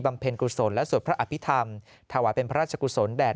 เพ็ญกุศลและสวดพระอภิษฐรรมถวายเป็นพระราชกุศลแด่